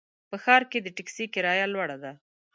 په ښار کې د ټکسي کرایه لوړه ده.